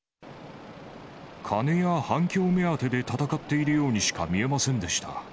金や反響目当てで闘っているようにしか見えませんでした。